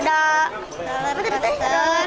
dalar dalar dalar